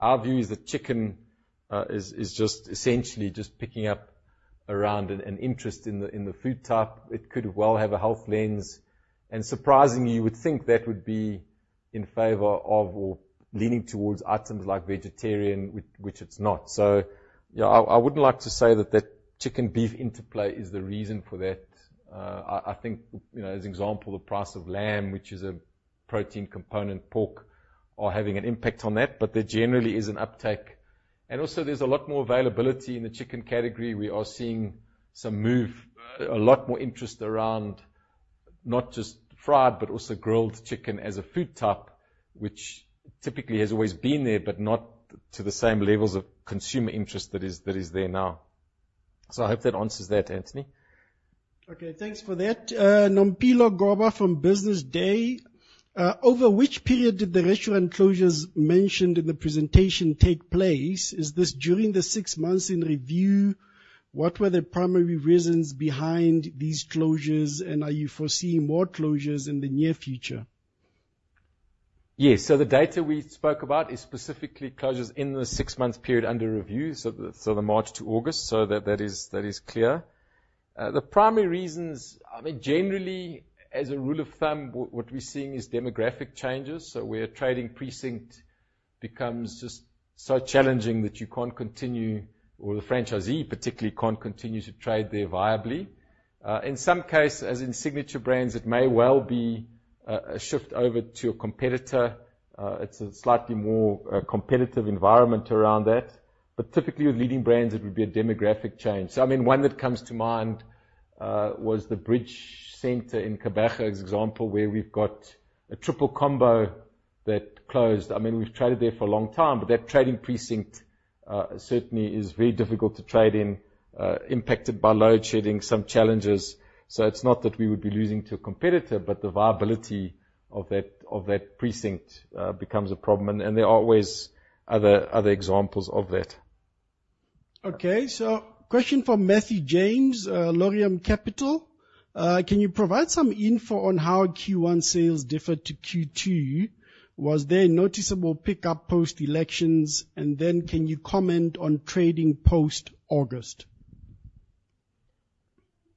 Our view is that chicken is essentially just picking up around an interest in the food type. It could well have a health lens, and surprisingly, you would think that would be in favor of, or leaning towards items like vegetarian, which it's not. So, yeah, I wouldn't like to say that the chicken-beef interplay is the reason for that. I think, you know, as example, the price of lamb, which is a protein component, pork, are having an impact on that, but there generally is an uptake. And also, there's a lot more availability in the chicken category. We are seeing a lot more interest around, not just fried, but also grilled chicken as a food type, which typically has always been there, but not to the same levels of consumer interest that is there now. So I hope that answers that, Anthony. Okay, thanks for that. Nompilo Goba from Business Day. Over which period did the restaurant closures mentioned in the presentation take place? Is this during the six months in review? What were the primary reasons behind these closures, and are you foreseeing more closures in the near future? Yes. So the data we spoke about is specifically closures in the six-month period under review, so the March to August, so that is clear. The primary reasons, I mean, generally, as a rule of thumb, what we're seeing is demographic changes. So where a trading precinct becomes just so challenging that you can't continue, or the franchisee particularly can't continue to trade there viably. In some cases, as in Signature Brands, it may well be a shift over to a competitor. It's a slightly more competitive environment around that, but typically, with Leading Brands, it would be a demographic change. So I mean, one that comes to mind was the Bridge Centre in Gqeberha, as example, where we've got a triple combo that closed. I mean, we've traded there for a long time, but that trading precinct certainly is very difficult to trade in, impacted by load shedding, some challenges. So it's not that we would be losing to a competitor, but the viability of that precinct becomes a problem, and there are always other examples of that. Okay, so question from Matthew James, Laurium Capital. Can you provide some info on how Q1 sales differed to Q2? Was there a noticeable pickup post-elections? And then, can you comment on trading post-August?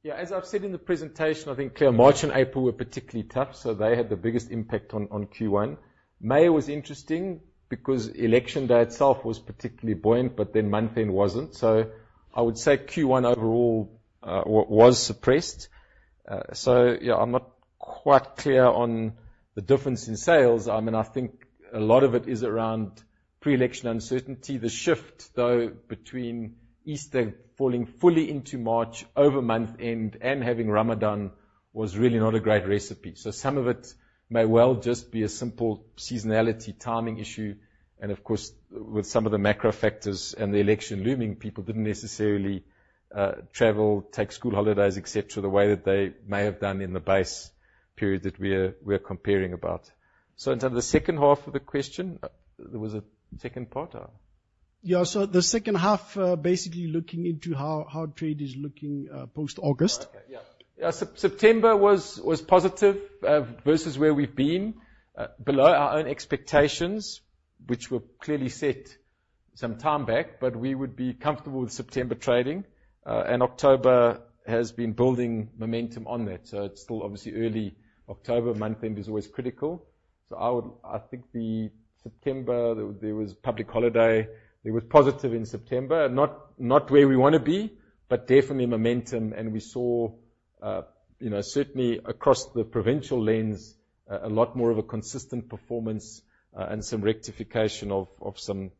Yeah, as I've said in the presentation, I think early March and April were particularly tough, so they had the biggest impact on Q1. May was interesting because election day itself was particularly buoyant, but then month end wasn't. So I would say Q1 overall was suppressed. So yeah, I'm not quite clear on the difference in sales. I mean, I think a lot of it is around pre-election uncertainty. The shift, though, between Easter falling fully into March over month end and having Ramadan was really not a great recipe. So some of it may well just be a simple seasonality timing issue, and of course, with some of the macro factors and the election looming, people didn't necessarily travel, take school holidays, et cetera, the way that they may have done in the base period that we're comparing about. So Ntando, the second half of the question, there was a second part? Yeah, so the second half, basically looking into how trade is looking, post-August. Oh, okay. Yeah. Yeah, September was positive versus where we've been below our own expectations, which were clearly set some time back, but we would be comfortable with September trading. And October has been building momentum on that, so it's still obviously early October. Month end is always critical. So I would. I think the September, there was public holiday, it was positive in September, not where we want to be, but definitely momentum, and we saw, you know, certainly across the provincial lens, a lot more of a consistent performance, and some rectification of some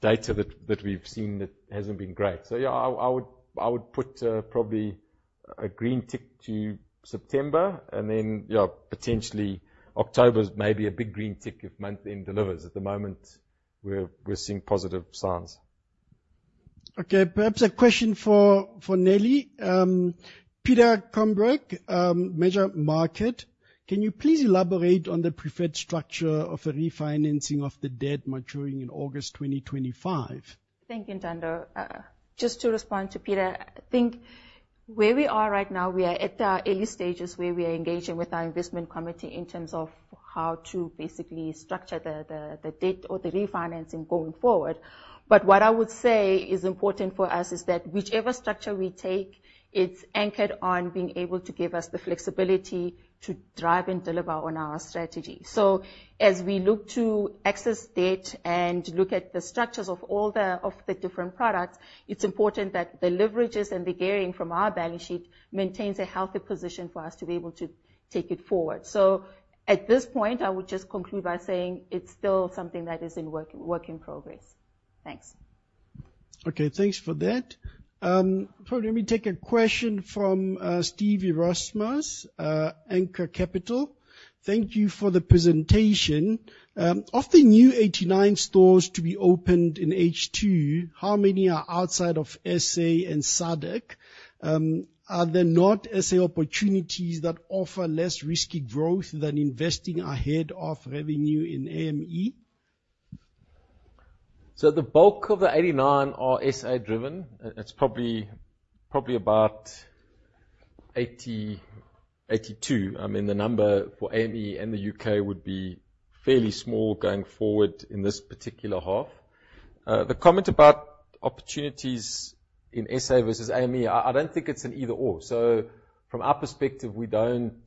data that we've seen that hasn't been great. So yeah, I would put probably a green tick to September, and then, yeah, potentially October's maybe a big green tick if month end delivers. At the moment, we're seeing positive signs. Okay, perhaps a question for Nelly. Peter Combrink, Mazi Asset Management [?]: Can you please elaborate on the preferred structure of the refinancing of the debt maturing in August 2025? Thank you, Ntando. Just to respond to Peter, I think where we are right now, we are at the early stages where we are engaging with our investment committee in terms of how to basically structure the debt or the refinancing going forward. What I would say is important for us is that whichever structure we take, it's anchored on being able to give us the flexibility to drive and deliver on our strategy. So as we look to access debt and look at the structures of all the different products, it's important that the leverages and the gearing from our balance sheet maintains a healthy position for us to be able to take it forward. At this point, I would just conclude by saying it's still something that is in work in progress. Thanks.... Okay, thanks for that. Probably let me take a question from Steph Erasmus, Anchor Capital. Thank you for the presentation. Of the new 89 stores to be opened in H2, how many are outside of SA and SADC? Are there not SA opportunities that offer less risky growth than investing ahead of revenue in AME? So the bulk of the 89 are SA driven. It's probably about 80, 82. I mean, the number for AME and the UK would be fairly small going forward in this particular half. The comment about opportunities in SA versus AME, I don't think it's an either/or. From our perspective, we don't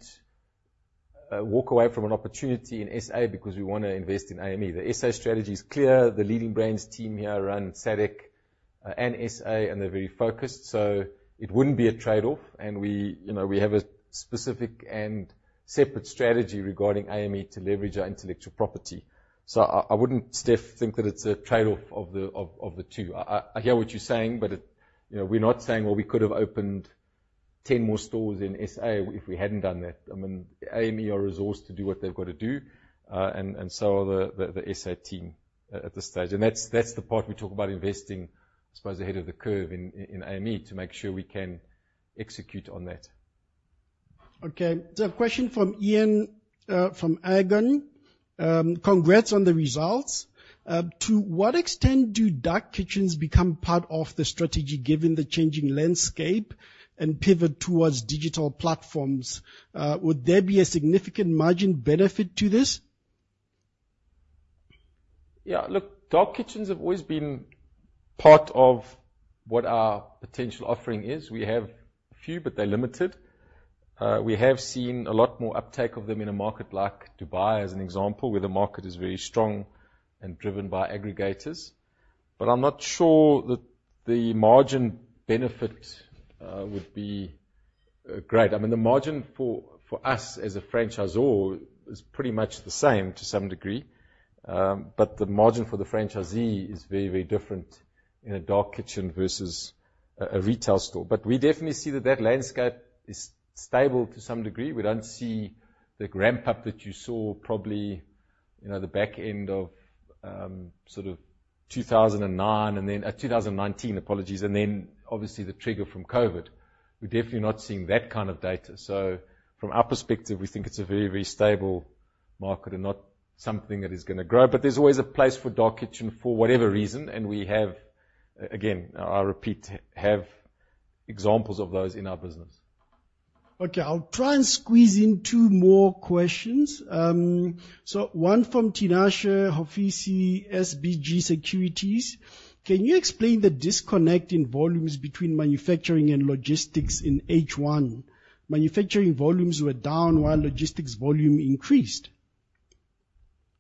walk away from an opportunity in SA because we want to invest in AME. The SA strategy is clear. The Leading Brands team here run SADC and SA, and they're very focused, so it wouldn't be a trade-off, and we, you know, we have a specific and separate strategy regarding AME to leverage our intellectual property. So I wouldn't, Steph, think that it's a trade-off of the two. I hear what you're saying, but it... You know, we're not saying, well, we could have opened ten more stores in SA if we hadn't done that. I mean, AME are resourced to do what they've got to do, and so are the SA team at this stage, and that's the part we talk about investing, I suppose, ahead of the curve in AME, to make sure we can execute on that. Okay, so a question from Ian from Argon. Congrats on the results. To what extent do dark kitchens become part of the strategy, given the changing landscape and pivot towards digital platforms? Would there be a significant margin benefit to this? Yeah, look, dark kitchens have always been part of what our potential offering is. We have a few, but they're limited. We have seen a lot more uptake of them in a market like Dubai, as an example, where the market is very strong and driven by aggregators. But I'm not sure that the margin benefit would be great. I mean, the margin for, for us, as a franchisor is pretty much the same, to some degree. But the margin for the franchisee is very, very different in a dark kitchen versus a, a retail store. But we definitely see that that landscape is stable to some degree. We don't see the ramp-up that you saw probably, you know, the back end of, sort of two thousand and nine, and then, two thousand and nineteen, apologies, and then, obviously, the trigger from COVID. We're definitely not seeing that kind of data. So from our perspective, we think it's a very, very stable market and not something that is gonna grow. But there's always a place for dark kitchens, for whatever reason, and we have, again, I repeat, have examples of those in our business. Okay, I'll try and squeeze in two more questions. So one from Tinashe Hofisi, SBG Securities: Can you explain the disconnect in volumes between manufacturing and logistics in H1? Manufacturing volumes were down, while logistics volume increased.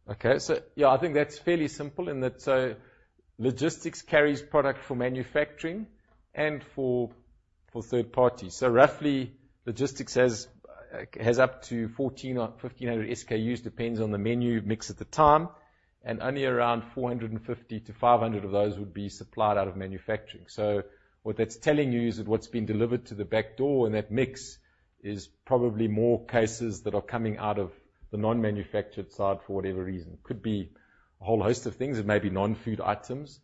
Okay, so yeah, I think that's fairly simple in that, logistics carries product for manufacturing and for third parties. So roughly, logistics has up to 1400 or 1500 SKUs, depends on the menu mix at the time, and only around 450-500 of those would be supplied out of manufacturing. So what that's telling you is that what's been delivered to the back door and that mix is probably more cases that are coming out of the non-manufactured side for whatever reason. Could be a whole host of things. It may be non-food items,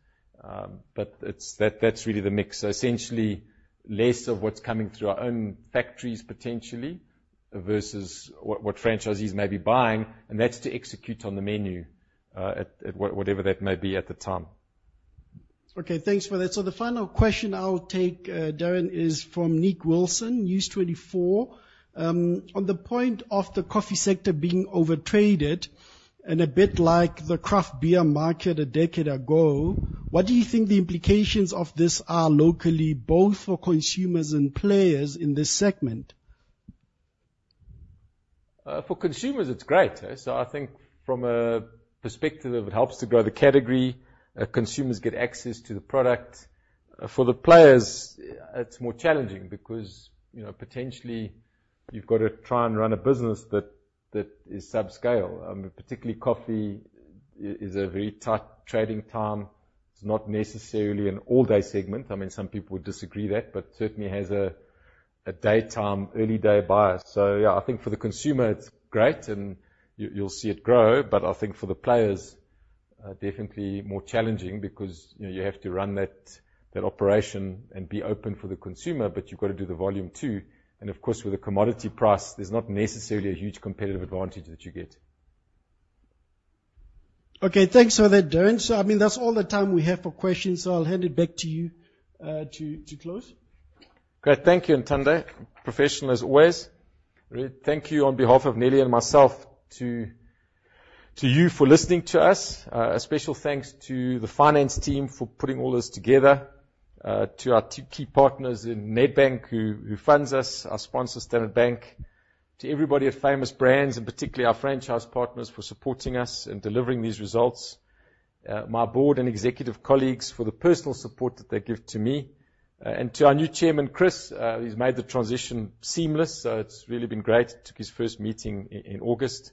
but it's. That's really the mix. So essentially, less of what's coming through our own factories potentially versus what franchisees may be buying, and that's to execute on the menu, at whatever that may be at the time. Okay, thanks for that. So the final question I'll take, Darren, is from Nick Wilson, News24. On the point of the coffee sector being overtraded and a bit like the craft beer market a decade ago, what do you think the implications of this are locally, both for consumers and players in this segment? For consumers, it's great. So I think from a perspective, it helps to grow the category. Consumers get access to the product. For the players, it's more challenging because, you know, potentially you've got to try and run a business that is subscale. Particularly coffee is a very tight trading time. It's not necessarily an all-day segment. I mean, some people would disagree that, but certainly has a daytime, early day buyer. So yeah, I think for the consumer it's great, and you, you'll see it grow, but I think for the players, definitely more challenging because, you know, you have to run that operation and be open for the consumer, but you've got to do the volume, too. And of course, with the commodity price, there's not necessarily a huge competitive advantage that you get. Okay, thanks for that, Darren. So, I mean, that's all the time we have for questions, so I'll hand it back to you, to close. Great. Thank you, Ntando. Professional as always. Really thank you on behalf of Nelly and myself to you for listening to us. A special thanks to the finance team for putting all this together, to our two key partners in Nedbank, who funds us, our sponsor, Standard Bank, to everybody at Famous Brands, and particularly our franchise partners for supporting us in delivering these results, my board and executive colleagues, for the personal support that they give to me, and to our new chairman, Chris. He's made the transition seamless, so it's really been great. Took his first meeting in August.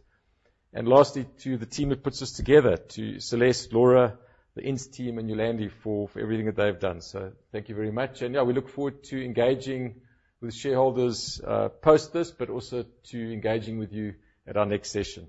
Lastly, to the team that puts us together, to Celeste, Laura, the IR team and Yolandi, for everything that they've done, so thank you very much. Yeah, we look forward to engaging with shareholders post this, but also to engaging with you at our next session.